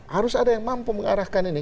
harus ada yang mampu mengarahkan ini